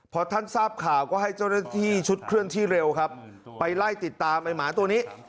พอท่านทราบข่าวก็ให้เจ้าหน้าที่ชุดเคลื่อนที่เร็วครับไปไล่ติดตามไอ้หมาตัวนี้